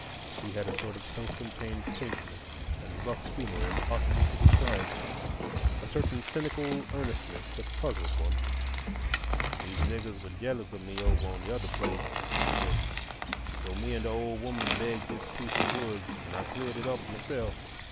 He had a sort of self contained quaintness and rough humor impossible to describe; a certain cynical earnestness that puzzled one. "The niggers were jealous of me over on the other place," he said, "and so me and the old woman begged this piece of woods, and I cleared it up myself.